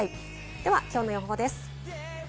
では今日の予報です。